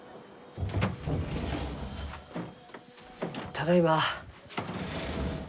ただいま。